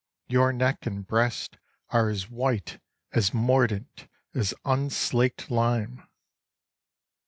Your neck and breast are as white, as mordant, as unslaked lime."